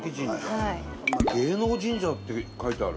「芸能神社」って書いてある。